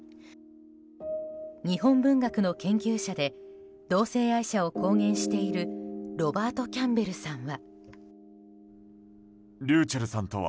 日本文学の研究者で同性愛者を公言しているロバート・キャンベルさんは。